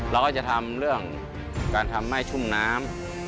เราก็จะทำเรื่องการทำให้ชุ่มน้ำ